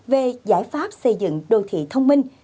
về giải pháp xây dựng đô thị thông minh